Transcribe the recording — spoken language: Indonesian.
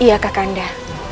iya kak kanda